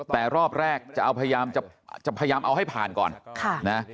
แต่รอบแรกจะพยายามเอาให้ผ่านก่อน